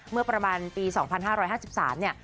เมื่อประมาณปี๒๕๕๓เนี่ย